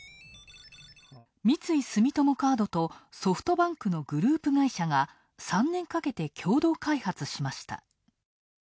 三井住友カードとソフトバンクのグループ会社が３年かけて共同開発しました。